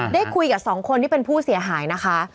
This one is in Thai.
ได้คุยกับสองคนที่เป็นผู้เสียหายนะคะ